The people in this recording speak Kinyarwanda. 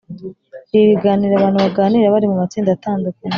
ibi biganiro abantu baganira bari mu matsinda atandukanye